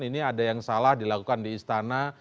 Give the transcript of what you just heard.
ini ada yang salah dilakukan di istana